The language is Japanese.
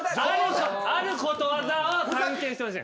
あることわざを探検してほしい。